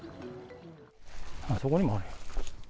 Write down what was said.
そこにもある。